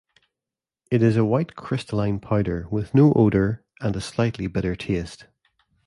It is a white crystalline powder with no odor and a slightly bitter taste.